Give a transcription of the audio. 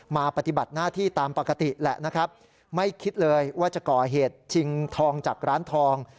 ปฏิบัติหน้าที่ตามปกติแหละนะครับไม่คิดเลยว่าจะก่อเหตุชิงทองจากร้านทอง